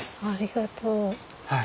ありがとう。